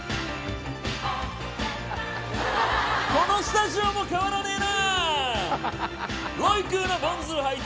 このスタジオも変わらねえな。